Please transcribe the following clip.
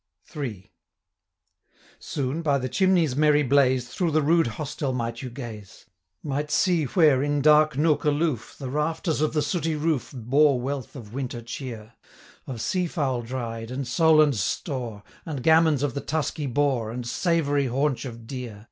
III Soon, by the chimney's merry blaze, Through the rude hostel might you gaze; Might see, where, in dark nook aloof, 45 The rafters of the sooty roof Bore wealth of winter cheer; Of sea fowl dried, and solands store, And gammons of the tusky boar, And savoury haunch of deer.